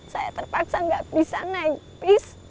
saya terpaksa nggak bisa naik bis